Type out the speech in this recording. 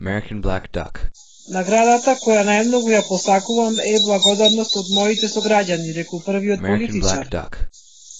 Наградата која најмногу ја посакувам е благодарноста од моите сограѓани, рекол првиот политичар.